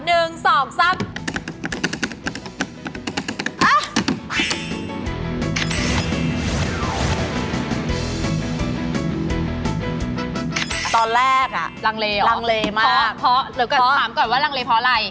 ตอนแรกอ่ะรังเลมากพอเดี๋ยวก่อนถามก่อนว่ารังเลเพราะอะไร